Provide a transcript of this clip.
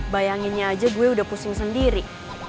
bayanginnya aja gue udah pusing sendiri